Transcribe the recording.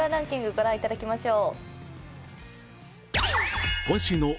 御覧いただきましょう。